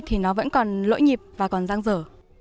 thì nó vẫn còn lỗi nhịp và còn giang dở